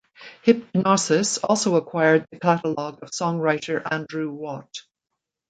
Hipgnosis also acquired the catalogue of songwriter Andrew Watt.